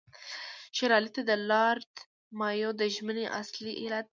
شېر علي ته د لارډ مایو د ژمنې اصلي علت.